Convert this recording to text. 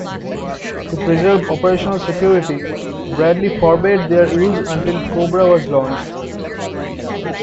To preserve operational security, Bradley forbade their use until Cobra was launched.